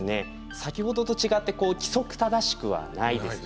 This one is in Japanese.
先ほどと違って規則正しくはないですね。